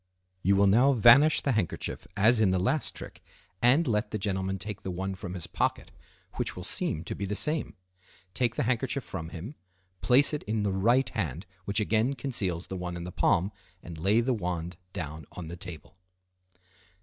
You will now vanish the handkerchief as in the last trick, and let the gentleman take the one from his pocket, which will seem to be the same. Take the handkerchief from him, place it in the right hand, which again conceals the one in the palm, and lay the wand down on the table.